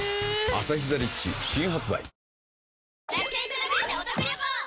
アサヒザ・リッチ」新発売